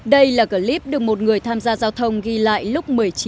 đây là clip được một người tham gia giao thông ghi lại lúc một mươi chín h